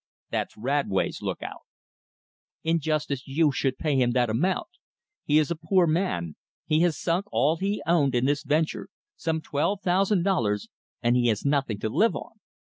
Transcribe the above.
"That's Radway's lookout." "In justice you should pay him that amount. He is a poor man. He has sunk all he owned in this venture, some twelve thousand dollars, and he has nothing to live on.